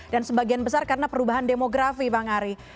dan sebagian besar karena perubahan demografi bang ari